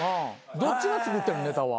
どっちが作ってんのネタは。